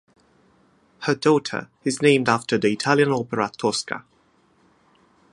Her daughter is named after the Italian opera Tosca.